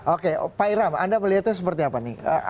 oke pak iram anda melihatnya seperti apa nih